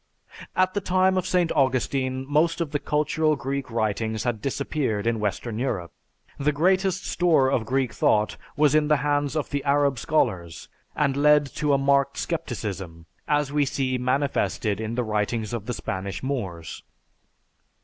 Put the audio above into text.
At the time of St. Augustine most of the cultural Greek writings had disappeared in western Europe. The greatest store of Greek thought was in the hands of the Arab scholars and led to a marked scepticism, as we see manifested in the writings of the Spanish Moors.